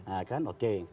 nah kan oke